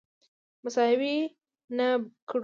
مساوي برابر نه کړو.